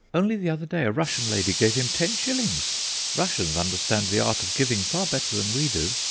Only the other day a Russian lady gave him ten shillings. Russians understand the art of giving far better than we do.